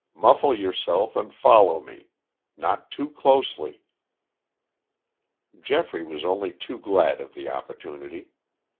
Muffle yourself and follow me. Not too closely." Geoffrey was only too glad of the opportunity.